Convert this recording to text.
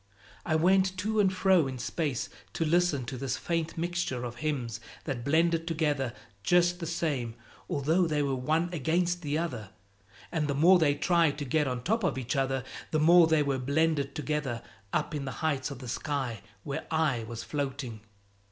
I went to and fro in space to listen to this faint mixture of hymns that blended together just the same although they were one against the other; and the more they tried to get on top of each other, the more they were blended together up in the heights of the sky where I was floating.